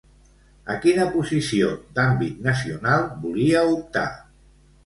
A quina posició d'àmbit nacional volia optar?